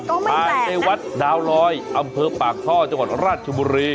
ก็ไม่แปลกนะพาไปวัดดาวรอยอำเภอป่าคท่อจังหวัดราชบุรี